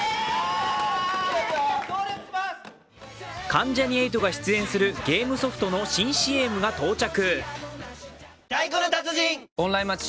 関ジャニ∞が出演するゲームソフトの新ＣＭが到着。